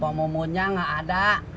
pohon pohonnya gak ada